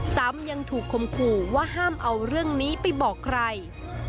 ซ้ำยังถูกคมขู่ว่าห้ามเอาเรื่องนี้ไปบอกใคร